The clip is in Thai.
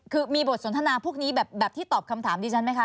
คือมีบทสนทนาพวกนี้แบบที่ตอบคำถามดิฉันไหมคะ